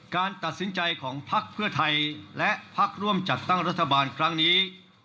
การตัดสินใจของพักเพื่อไทยและพักร่วมจัดตั้งรัฐบาลครั้งนี้